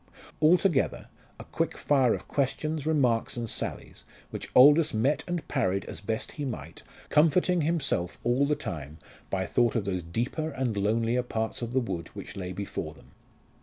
Altogether, a quick fire of questions, remarks, and sallies, which Aldous met and parried as best he might, comforting himself all the time by thought of those deeper and lonelier parts of the wood which lay before them.